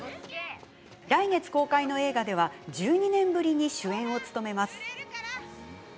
来月、公開の映画では１２年ぶりに主演を務めます。